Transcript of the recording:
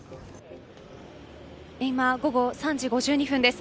今、午後３時５２分です。